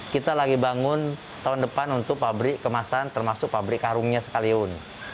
kita lagi bangun tahun depan untuk pabrik kemasan termasuk pabrik karungnya sekalian